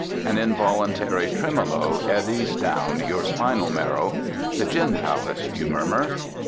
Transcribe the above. An involuntary tremolo eddies down your spinal marrow. The Gin Palace, you murmur....